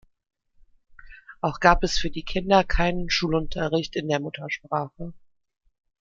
Auch gab es für die Kinder keinen Schulunterricht in der Muttersprache.